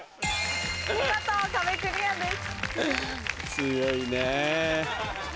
見事壁クリアです。